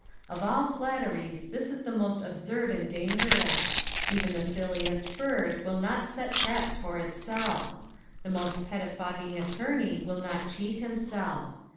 Of all flatteries this is the most absurd and dangerous. Even the silliest bird will not set traps for itself i the PSALM THE THIBTY 8IZTH. 175 moBt pettifogging attorney will not cheat himself.